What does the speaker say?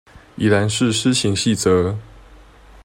宜蘭市施行細則